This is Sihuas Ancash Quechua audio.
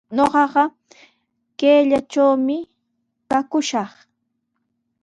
Ñuqaqa kayllatrawmi kakushaq.